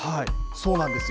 そうなんですよ。